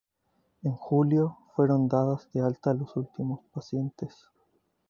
En julio, fueron dadas de alta los últimos pacientes.